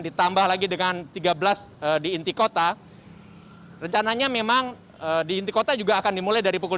ditambah lagi dengan tiga belas di inti kota rencananya memang di inti kota juga akan dimulai dari pukul